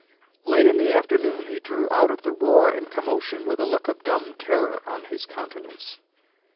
Late in the afternoon he drew out of the roar and commotion with a look of dumb terror on his countenance.